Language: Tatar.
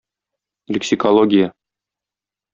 Лексикология.